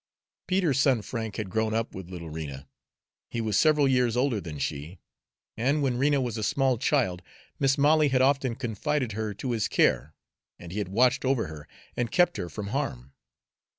Peter's son Frank had grown up with little Rena. He was several years older than she, and when Rena was a small child Mis' Molly had often confided her to his care, and he had watched over her and kept her from harm.